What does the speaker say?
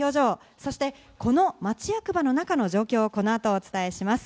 そしてこの町役場の中の状況を、この後、お伝えします。